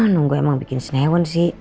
nunggu emang bikin snahon sih